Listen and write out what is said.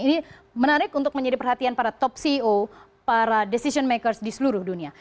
ini menarik untuk menjadi perhatian para top ceo para decision makers di seluruh dunia